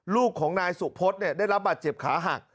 ลูกของนายสุพธได้รับบาดเจ็บขาหัก